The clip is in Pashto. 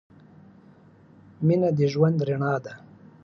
مینه د ژوند رڼا ده.